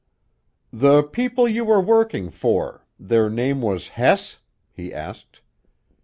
"The people you were working for; their name was 'Hess'?" he asked.